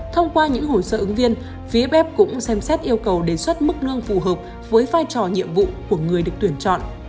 thông qua những hồ sơ ứng viên fbf cũng xem xét yêu cầu đề xuất mức lương phù hợp với vai trò nhiệm vụ của người được tuyển chọn